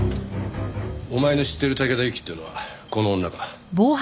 お前の知ってる竹田ユキっていうのはこの女か？